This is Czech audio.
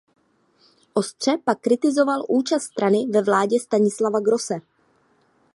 Ostře pak kritizoval účast strany ve vládě Stanislava Grosse.